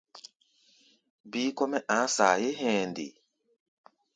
Bíí kɔ́-mɛ́ a̧a̧ saayé hɛ̧ɛ̧ nde?